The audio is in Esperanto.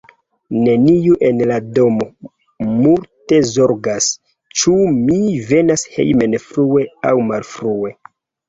Neniu en la domo multe zorgas, ĉu mi venas hejmen frue aŭ malfrue.